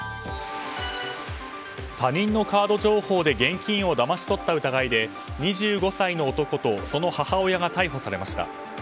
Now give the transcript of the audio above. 他人のカード情報で現金をだまし取った疑いで２５歳の男とその母親が逮捕されました。